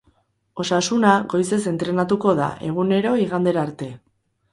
Osasuna goizez entrenatuko da, egunero, igandera arte.